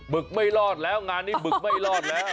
ึกไม่รอดแล้วงานนี้บึกไม่รอดแล้ว